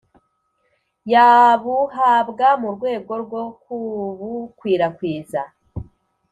yabuhabwa mu rwego rwo kubukwirakwiza